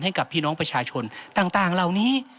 ให้กับพี่น้องประชาชนต่างเหล่านี้